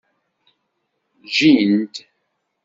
Jjint.